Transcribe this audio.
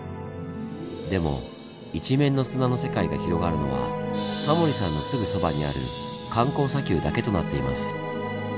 でも一面の砂の世界が広がるのはタモリさんのすぐそばにある観光砂丘だけとなっています。